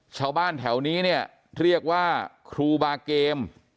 ชาวบ้านแถวนี้เนี่ยเรียกว่าครูบาเกม